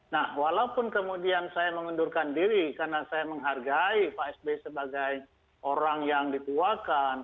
nah walaupun kemudian saya mengundurkan diri karena saya menghargai pak sby sebagai orang yang dituakan